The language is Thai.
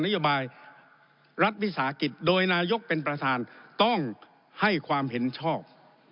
นโยบายรัฐวิสาหกิจโดยนายกเป็นประธานต้องให้ความเห็นชอบ